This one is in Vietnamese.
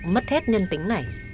mất hết nhân tính này